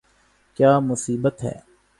!کیا مصیبت ہے